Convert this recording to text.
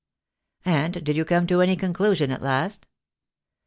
"And did you come to any conclusion at last?"